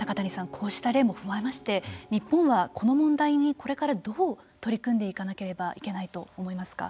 こうした例も踏まえまして日本はこの問題に、これからどう取り組んでいかなければいけないと思いますか。